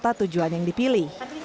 itu adalah tujuan yang dipilih